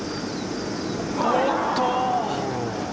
おっと。